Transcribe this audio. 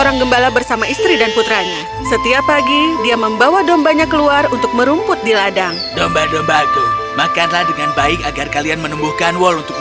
gembala membawa dombanya jalan jalan